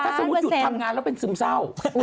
ถ้าสมมุติหยุดทำงานแล้วเป็นซึมเศร้า